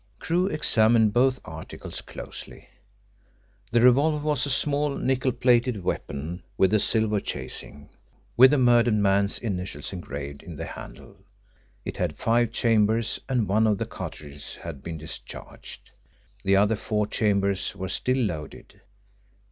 Crewe examined both articles closely. The revolver was a small, nickel plated weapon with silver chasing, with the murdered man's initials engraved in the handle. It had five chambers, and one of the cartridges had been discharged. The other four chambers were still loaded.